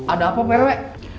ada apa perwe